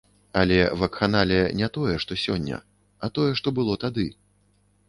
Але вакханалія не тое, што сёння, а тое, што было тады.